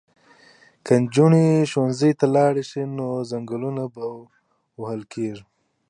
که نجونې ښوونځي ته لاړې شي نو ځنګلونه به نه وهل کیږي.